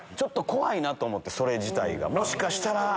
怖いなと思ってそれ自体がもしかしたら。